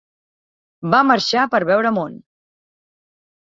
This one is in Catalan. Va marxar per veure món.